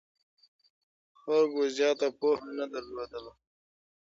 خلګو زياته پوهه نه لرله.